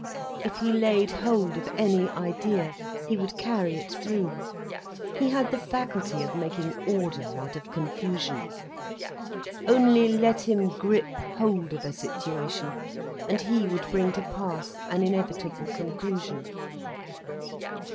If he laid hold of any idea, he would carry it through. He had the faculty of making order out of confusion. Only let him grip hold of a situation, and he would bring to pass an inevitable conclusion.